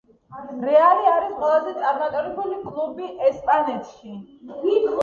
„რეალი“ არის ყველაზე წარმატებული კლუბი ესპანეთში